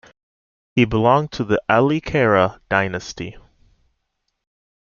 He belonged to the Aulikara dynasty.